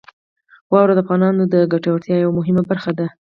واوره د افغانانو د ګټورتیا یوه مهمه برخه ده.